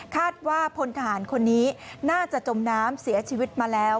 คาดว่าพลทหารคนนี้น่าจะจมน้ำเสียชีวิตมาแล้ว